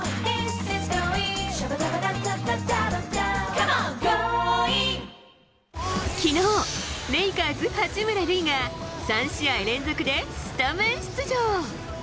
この後きのう、レイカーズ、八村塁が、３試合連続でスタメン出場。